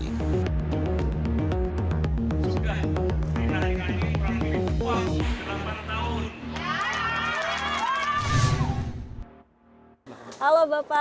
sudah kita lagi lagi berangkut wah selamat tahun